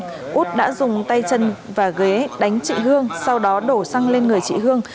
út đã dùng tay chân và ghế đánh chị hương sau đó đổ xăng lên người chị hương